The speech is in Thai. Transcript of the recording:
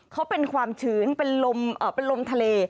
เขาเป็นความชื้นเป็นลมทะเล